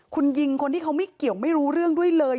คุณยิงคนที่เขาไม่เกี่ยวไม่รู้เรื่องด้วยเลย